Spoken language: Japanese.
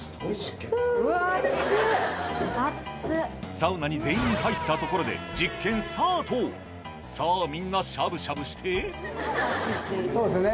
サウナに全員入ったところでさぁみんなしゃぶしゃぶしてそうですね